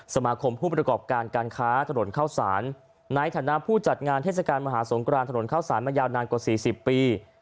สมาคมผู้ประกอบการการค้าถนนเข้าสารในฐานะผู้จัดงานเทศกาลมหาสงกรานถนนเข้าสารมายาวนานกว่า๔๐ปี